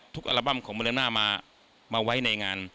ทุกอัลบั้มของเมืองหน้ามาไว้ในงาน